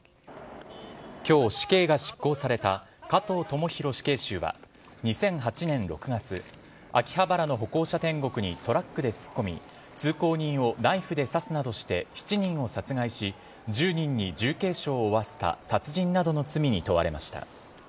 きょう、死刑が執行された加藤智大死刑囚は、２００８年６月、秋葉原の歩行者天国にトラックで突っ込み、通行人をナイフで刺すなどして７人を殺害して、１０人に重軽傷を負わせた殺人などの罪に問われました。